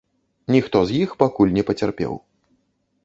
Ніхто з іх пакуль не пацярпеў.